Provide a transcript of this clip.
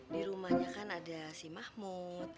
di rumahnya kan ada si mahmud